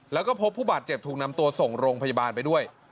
แล้วก็พบผู้บาดเจ็บถูกนำตัวส่งโรงพยาบาลไปด้วย